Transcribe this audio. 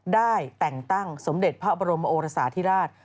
ได้แต่งตั้งสมเด็จพระบรมโอรสาธิราช